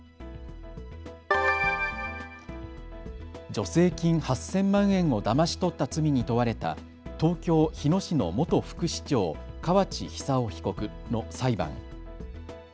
助成金８０００万円をだまし取った罪に問われた東京日野市の元副市長、河内久男被告の裁判。